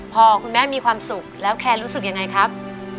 พอคุณแม่มีความสุขแล้วแคนรู้สึกยังไงครับ